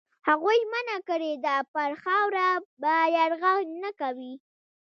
هغوی ژمنه کړې ده پر خاوره به یرغل نه کوي.